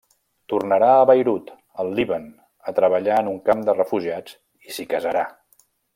Tornarà a Beirut, al Líban, a treballar en un camp de refugiats i s’hi casarà.